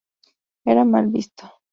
Era mal visto.